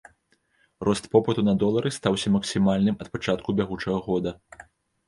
Рост попыту на долары стаўся максімальным ад пачатку бягучага года.